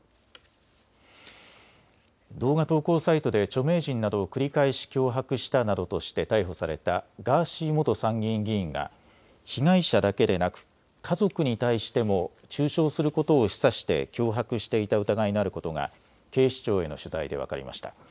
動画投稿サイトで著名人などを繰り返し脅迫したなどとして逮捕されたガーシー元参議院議員が被害者だけでなく家族に対しても中傷することを示唆して脅迫していた疑いのあることが警視庁への取材で分かりました。